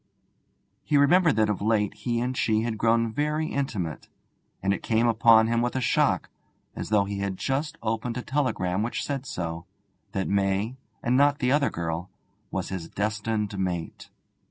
He remembered that of late he and she had grown very intimate; and it came upon him with a shock, as though he had just opened a telegram which said so, that May, and not the other girl, was his destined mate.